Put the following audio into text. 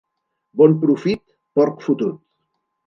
Bon profit, porc fotut!